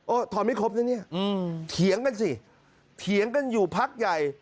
ทอนไม่ครบนะเนี่ยเถียงกันสิเถียงกันอยู่พักใหญ่